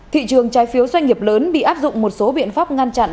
thị trường trái phiếu doanh nghiệp lớn bị áp dụng một số biện pháp ngăn chặn